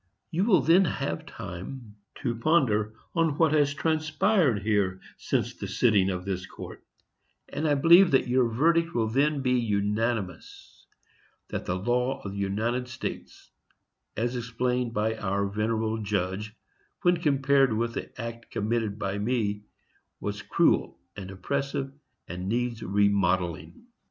You will then have time to ponder on what has transpired here since the sitting of this court, and I believe that your verdict will then be unanimous, that the law of the United States, as explained by our venerable judge, when compared with the act committed by me, was cruel and oppressive, and needs remodelling.